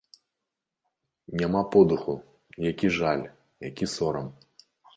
Няма подыху, які жаль, які сорам.